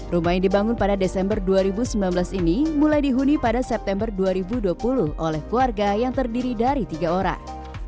rumah yang dibangun pada desember dua ribu sembilan belas ini mulai dihuni pada september dua ribu dua puluh oleh keluarga yang terdiri dari tiga orang